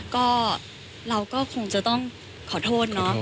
ก็เราก็คงจะต้องขอโทษเนาะ